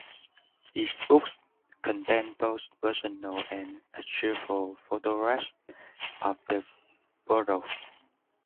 These books contain both personal and archival photographs of the borough.